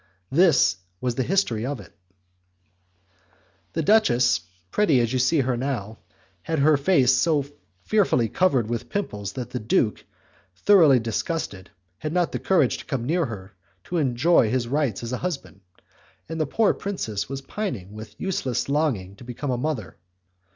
This was the history of it: "The duchess, pretty as you see her now, had her face so fearfully covered with pimples that the duke, thoroughly disgusted, had not the courage to come near her to enjoy his rights as a husband, and the poor princess was pining with useless longing to become a mother.